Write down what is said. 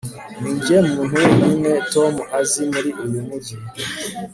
ninjye muntu wenyine tom azi muri uyu mujyi